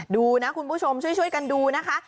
ดูนะคุณผู้ชมช่วยกันดูนะคะ